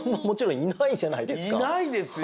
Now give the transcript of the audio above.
いないですよ。